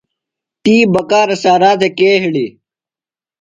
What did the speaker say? تی بکارہ سارا تھےۡ کے ہِڑی؟